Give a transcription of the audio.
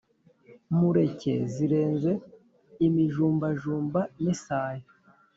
Mureke zirenze imijumbajumba n'isayo,